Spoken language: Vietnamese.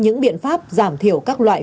những biện pháp giảm thiểu các loại